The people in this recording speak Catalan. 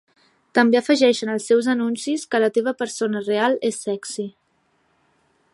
També afegeixen als seus anuncis que La teva persona real és sexy.